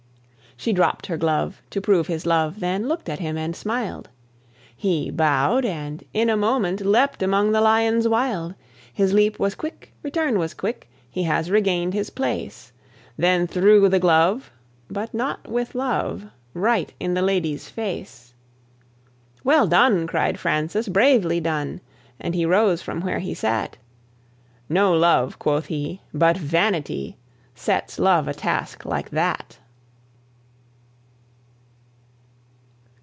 She dropped her glove, to prove his love, then look'd at him and smiled; He bowed, and in a moment leapt among the lions wild: His leap was quick, return was quick, he has regain'd his place, Then threw the glove, but not with love, right in the lady's face. "Well done!" cried Francis, "bravely done!" and he rose from where he sat: "No love," quoth he, "but vanity, sets love a task like that."